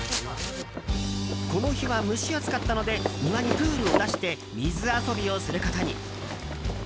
この日は蒸し暑かったので庭にプールを出して水遊びをすることに。